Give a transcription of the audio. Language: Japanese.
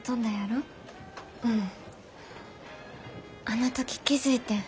あの時気付いてん。